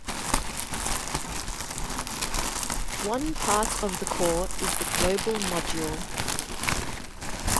One part of the Core is the Global Module.